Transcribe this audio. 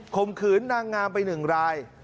ขมขืนนางงามไปหนึ่งราย